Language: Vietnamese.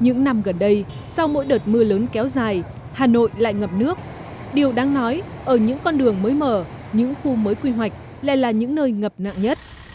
những năm gần đây sau mỗi đợt mưa lớn kéo dài hà nội lại ngập nước điều đáng nói ở những con đường mới mở những khu mới quy hoạch lại là những nơi ngập nặng nhất